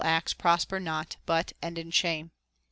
acts prosper not, but end in shame.